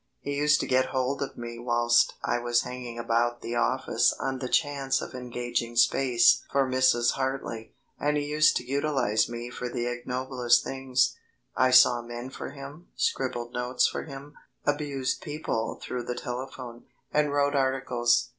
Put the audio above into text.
He used to get hold of me whilst I was hanging about the office on the chance of engaging space for Mrs. Hartly, and he used to utilise me for the ignoblest things. I saw men for him, scribbled notes for him, abused people through the telephone, and wrote articles.